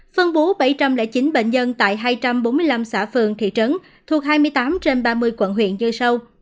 phân bố bảy trăm linh chín bệnh nhân tại hai trăm bốn mươi năm xã phường thị trấn thuộc hai mươi tám trên ba mươi quận huyện như sâu